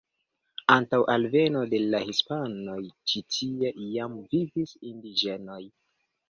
Antaŭ alveno de la hispanoj ĉi tie jam vivis indiĝenoj.